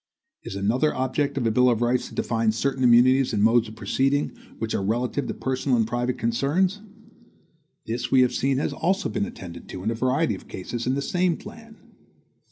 Is another object of a bill of rights to define certain immunities and modes of proceeding, which are relative to personal and private concerns? This we have seen has also been attended to, in a variety of cases, in the same plan.